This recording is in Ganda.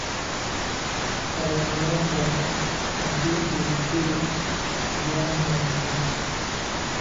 Abantu bakaaba, ate ebikere byanyaaga.